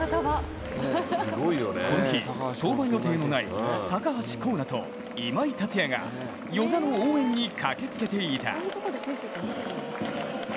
この日、登板予定のない高橋光成と今井達也が與座の応援に駆けつけていた。